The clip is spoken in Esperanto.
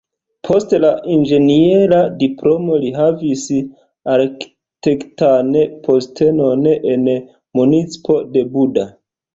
Post la inĝeniera diplomo li havis arkitektan postenon en municipo de Buda.